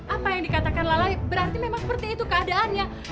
apa yang dikatakan lalai berarti memang seperti itu keadaannya